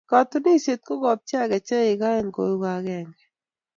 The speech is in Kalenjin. katunisiet ko kopcheak kecheik aeng kou agenge